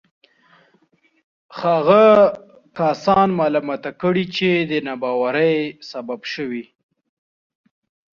هغه کسان ملامته کړي چې د ناباورۍ سبب شوي.